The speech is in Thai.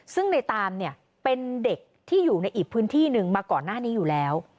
ซึ่งในตามเนี่ยเป็นเด็กที่อยู่ในอีกพื้นที่หนึ่งมาก่อนหน้านี้อยู่แล้ว